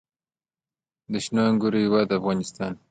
د شنو انګورو هیواد افغانستان.